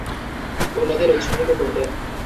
অন্যদের উৎসাহিত করতেন।